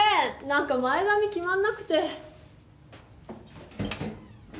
何か前髪決まんなくて。